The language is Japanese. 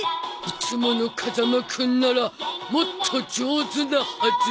いつもの風間くんならもっと上手なはず。